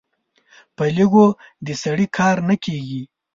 په لږو د سړي کار نه کېږي.